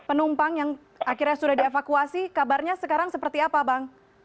penumpang yang akhirnya sudah dievakuasi kabarnya sekarang seperti apa bang